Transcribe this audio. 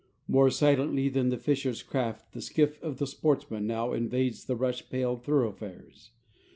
More silently than the fisher's craft the skiff of the sportsman now invades the rush paled thoroughfares.